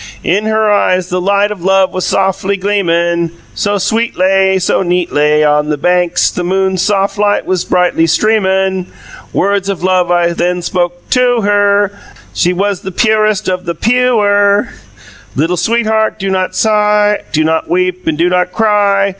"In her eyes the light of love was soffly gleamun', So sweetlay, So neatlay. On the banks the moon's soff light was brightly streamun', Words of love I then spoke TO her. She was purest of the PEW er: 'Littil sweetheart, do not sigh, Do not weep and do not cry.